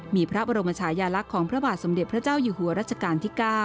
มีพระบรมชายาลักษณ์ของพระบาทสมเด็จพระเจ้าอยู่หัวรัชกาลที่๙